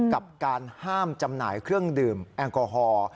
กับการห้ามจำหน่ายเครื่องดื่มแอลกอฮอล์